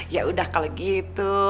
yaudah kalau gitu